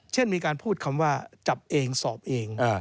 เช่นมีการพูดคำว่าจับเองสอบเอง